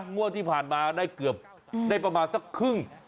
งวดที่ผ่านมาได้เกือบได้ประมาณสักครึ่ง